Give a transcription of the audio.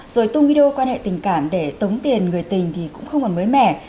rồi tung video quan hệ tình cảm để tống tiền người tình thì cũng không còn mới mẻ